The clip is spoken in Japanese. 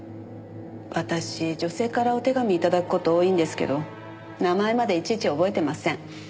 私女性からお手紙頂く事多いんですけど名前までいちいち覚えてません。